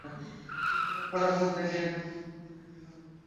এই পোশাক পড়ার পর থেকে, কখনো ঠিকমতো ডিউটি করোনি।